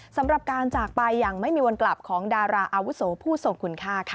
สำหรับการจากไปอย่างไม่มีวันกลับของดาราอาวุโสผู้ทรงคุณค่าค่ะ